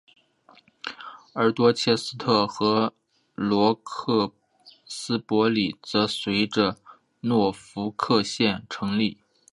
而多切斯特和罗克斯伯里则随着诺福克县成立。